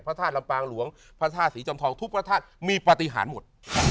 พระธาตุลำปางหลวงพระธาตุศรีจอมทองทุกพระธาตุมีปฏิหารหมด